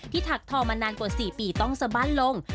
ถักทอมานานกว่า๔ปีต้องสะบั้นลง